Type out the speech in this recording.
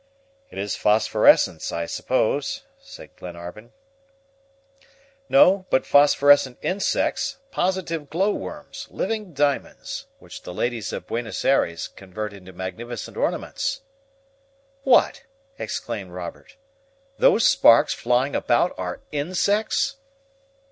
"It is phosphorescence, I suppose," said Glenarvan. "No, but phosphorescent insects, positive glow worms, living diamonds, which the ladies of Buenos Ayres convert into magnificent ornaments." "What!" exclaimed Robert, "those sparks flying about are insects!"